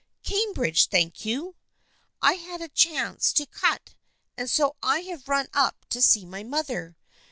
" Cambridge, thank you. I had a chance to cut, and so I have run up to see my mother.